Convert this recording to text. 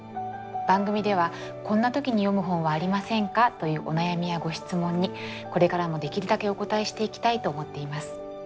番組では「こんな時に読む本はありませんか？」というお悩みやご質問にこれからもできるだけお答えしていきたいと思っています。